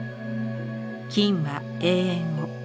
金は永遠を。